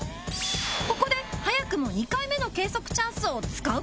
ここで早くも２回目の計測チャンスを使う事に